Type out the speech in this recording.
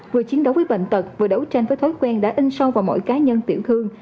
vừa chiến đấu với bệnh tật vừa đấu tranh với thói quen đã in sâu vào mỗi cá nhân tiểu thương